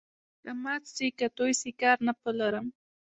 که مات سي که توی سي، کار نه په لرم.